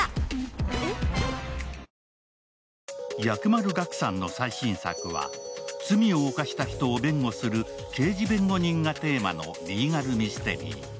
薬丸岳さんの最新作は、罪を犯した人を弁護する刑事弁護人がテーマのリーガルミステリー。